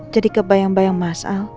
jadi kebayang bayang mas al